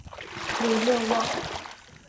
韦勒旺。